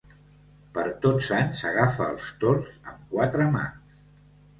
Per Tots Sants, agafa els tords amb quatre mans.